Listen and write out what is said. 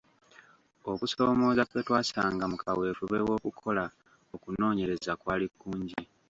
Okusoomooza kwe twasanga mu kaweefube w’okukola okunoonyereza kwali kungi.